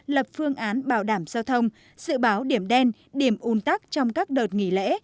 lập phương án bảo đảm giao thông dự báo điểm đen điểm ùn tắc trong các đợt nghỉ lễ